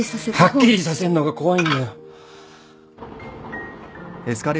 はっきりさせるのが怖いんだよ。